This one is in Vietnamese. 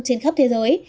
trên khắp thế giới